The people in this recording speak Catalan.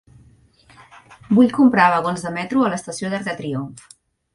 Vull comprar vagons de metro a l'estació d'Arc de Triomf.